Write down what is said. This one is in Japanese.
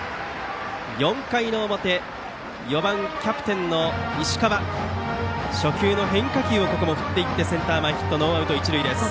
４回の表、４番キャプテンの石川初球の変化球を振っていってセンター前ヒットノーアウト、一塁です。